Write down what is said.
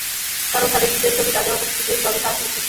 কারণ, তাঁর ঈদের ছবি রাজা বাবু নাকি বেশ ভালোই সাড়া ফেলেছে।